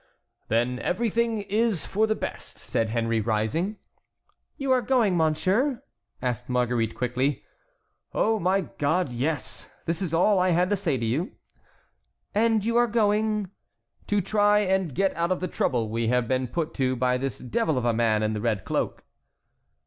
"Then everything is for the best," said Henry, rising. "You are going, monsieur?" asked Marguerite, quickly. "Oh, my God, yes. This is all I had to say to you." "And you are going"— "To try and get out of the trouble we have been put to by this devil of a man in the red cloak."